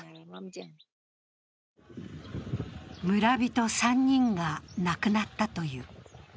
村人３人が亡くなったという。